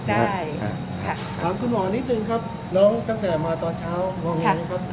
ได้ค่ะค่ะถามคุณหมอนิดหนึ่งครับน้องตั้งแต่มาตอนเช้าค่ะ